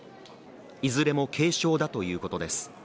いずれも軽傷だということです。